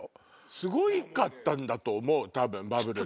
すごかったんだと思う多分バブルって。